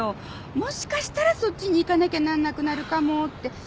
もしかしたらそっちに行かなきゃならなくなるかもって。